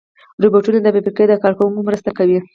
روبوټونه د فابریکې د کار کوونکو مرسته کوي.